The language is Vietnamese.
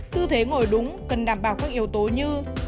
tư thế ngồi đúng cần đảm bảo các yếu tố như